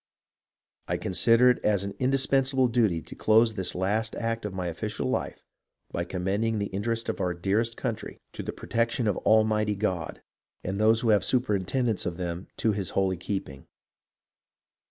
I consider it as an indispensable duty to close this last act of my official life by commending the interests of our dearest country to the protection of Almighty God, and those who have the superintendence of them to His holy keeping.